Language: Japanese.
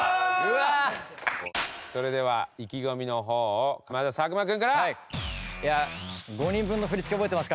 それでは意気込みの方をまずは作間君から。